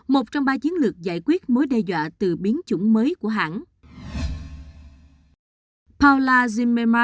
một trong ba chiến lược giải quyết mối đe dọa từ biến chủng mới của hãng